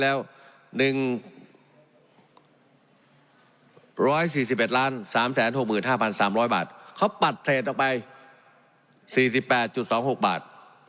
ตั้งประมาณไว้แล้ว๑๔๑๓๖๕๓๐๐บาทเขาปัดเศษออกไป๔๘๒๖บาท